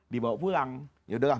dibawa pulang yaudah lah